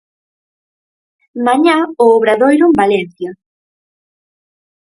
Mañá o Obradoiro en Valencia.